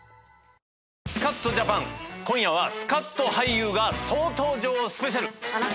『スカッとジャパン』今夜はスカッと俳優が総登場スペシャル。